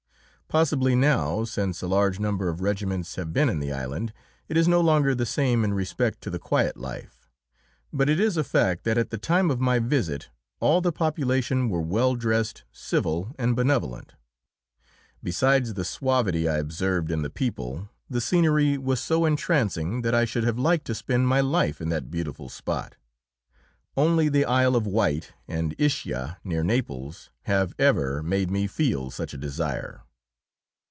Possibly now, since a large number of regiments have been in the island, it is no longer the same in respect to the quiet life, but it is a fact that at the time of my visit all the population were well dressed, civil and benevolent. Besides the suavity I observed in the people, the scenery was so entrancing that I should have liked to spend my life in that beautiful spot. Only the Isle of Wight, and Ischia, near Naples, have ever made me feel such a desire.